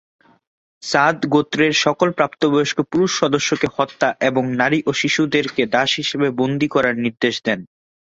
সাদ গোত্রের সকল প্রাপ্তবয়স্ক পুরুষ সদস্যকে হত্যা এবং নারী ও শিশুদেরকে দাস হিসেবে বন্দী করার নির্দেশ দেন।